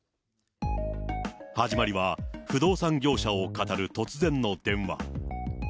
始まりは不動産業者をかたる突然の電話。